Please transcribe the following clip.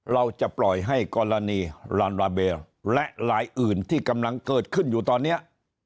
เราจะปล่อยให้กรณีลานลาเบลและลายอื่นที่กำลังเกิดขึ้นอยู่ตอนนี้